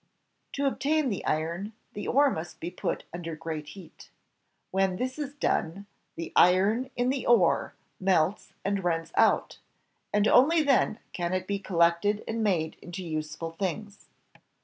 To obtain the iron, the ore must be put under great heat. When this is done, the iron in the ore melts and runs out, and only then can it be collected and made into useful things.